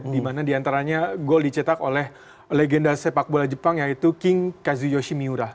dimana diantaranya gol dicetak oleh legenda sepak bola jepang yaitu king kazuyoshi miura